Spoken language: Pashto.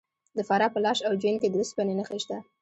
د فراه په لاش او جوین کې د وسپنې نښې شته.